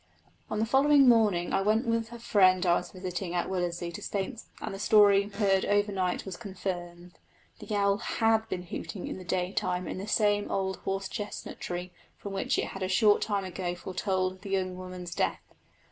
On the following morning I went with the friend I was visiting at Willersey to Saintbury, and the story heard overnight was confirmed. The owl had been hooting in the daytime in the same old horse chestnut tree from which it had a short time ago foretold the young woman's death.